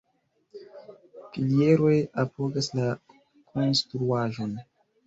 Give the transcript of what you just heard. Pilieroj apogas la konstruaĵon.